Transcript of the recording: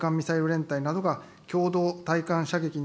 ミサイル連隊などが共同たいかん